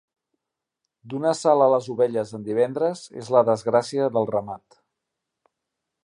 Donar sal a les ovelles en divendres és la desgràcia del ramat.